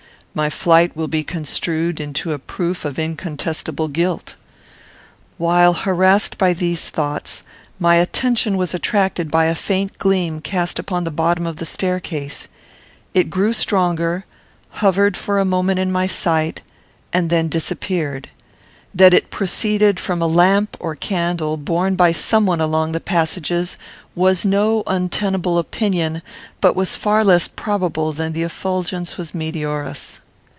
My flight will be construed into a proof of incontestable guilt. While harassed by these thoughts, my attention was attracted by a faint gleam cast upon the bottom of the staircase. It grew stronger, hovered for a moment in my sight, and then disappeared. That it proceeded from a lamp or candle, borne by some one along the passages, was no untenable opinion, but was far less probable than that the effulgence was meteorous.